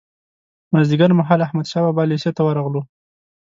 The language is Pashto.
مازیګر مهال احمدشاه بابا لېسې ته ورغلو.